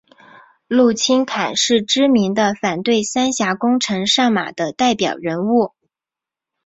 陆钦侃是知名的反对三峡工程上马的代表人物。